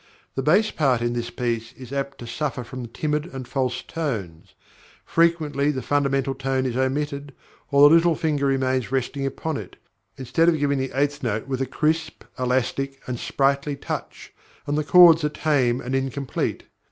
The bass part in this piece is apt to suffer from timid and false tones; frequently the fundamental tone is omitted, or the little finger remains resting upon it, instead of giving the eighth note with a crisp, elastic, and sprightly touch, and the chords are tame and incomplete.